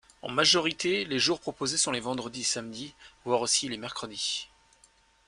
En majorité, les jours proposés sont les vendredis et samedis, voire aussi les mercredis.